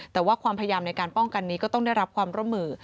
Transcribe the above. แต่ว่าความพยายามในการป้องกันนี้ก็ต้องได้รับความร่วมมือ